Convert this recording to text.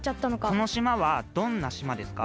この島はどんな島ですか？